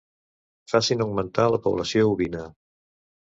Facin augmentar la població ovina.